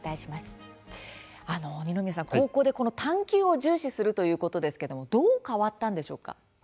二宮さん、高校で「探究」を重視するということですけどどう変わったんでしょうか。